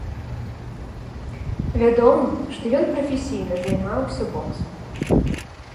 Вядома, што ён прафесійна займаўся боксам.